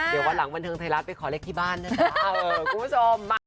เดี๋ยววันหลังบันทึงไทยรัฐไปขอเลขที่บ้านนะจ๊ะ